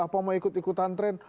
apa mau ikut ikutan tren